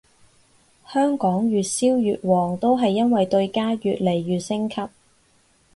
香港越燒越旺都係因為對家越嚟越升級